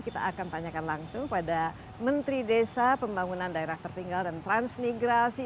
kita akan tanyakan langsung pada menteri desa pembangunan daerah tertinggal dan transmigrasi